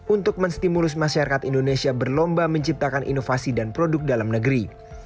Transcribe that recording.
untuk menstimulus masyarakat indonesia berlomba menciptakan inovasi dan produk dalam negeri